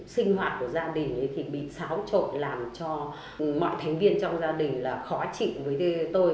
sinh hoạt của gia đình thì bị xáo trộn làm cho mọi thành viên trong gia đình là khó chịu với tôi